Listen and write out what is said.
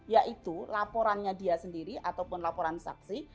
yaitu laporannya dia sendiri ataupun laporan saksi